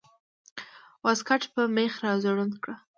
واسکټ په مېخ راځوړند ده